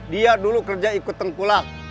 dia dulu kerja ikut tengkulak